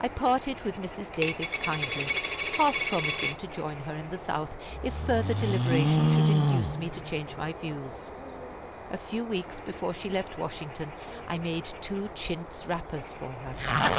I parted with Mrs. Davis kindly, half promising to join her in the South if further deliberation should induce me to change my views. A few weeks before she left Washington I made two chintz wrappers for her.